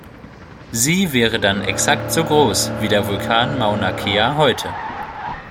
Sie wäre dann exakt so groß wie der Vulkan Mauna Kea heute.